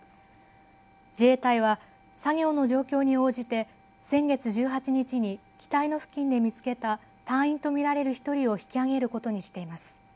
自衛隊は作業の状況に応じて先月１８日に機体の付近に見つけた隊員と見られる１人を引きあげることにしています。